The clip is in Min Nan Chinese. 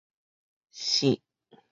爍